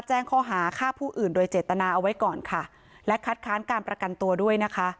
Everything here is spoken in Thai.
แจ้งข้อหาฆ่าผู้อื่นโดยเจตนาเอาไว้ก่อนค่ะและคัดค้านการประกันตัวด้วยนะคะ